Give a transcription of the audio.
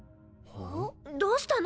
どうしたの？